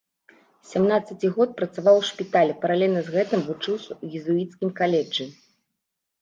З сямнаццаці год працаваў у шпіталі, паралельна з гэтым вучыўся ў езуіцкім каледжы.